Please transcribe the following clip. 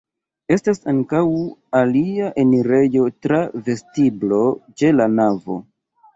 Estas ankaŭ alia enirejo tra vestiblo ĉe la navo.